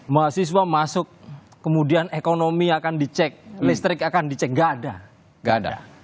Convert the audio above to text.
mahasiswa masuk kemudian ekonomi akan dicek listrik akan dicek tidak ada